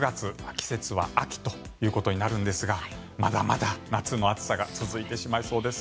季節は秋ということになりますがまだまだ夏の暑さが続いてしまいそうです。